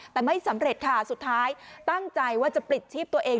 แต่ไม่สำเร็จค่ะสุดท้ายตั้งใจว่าจะปลิดชีพตัวเอง